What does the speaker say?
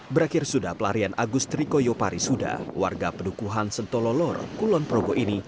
berakhir sudah pelarian agus trikoyo pari sudha warga pendukuhan sentololor kulonprogo ini